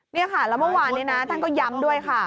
นี่ค่ะแล้วเมื่อวานนี้นะท่านก็ย้ำด้วยค่ะ